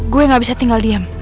gue gak bisa tinggal diam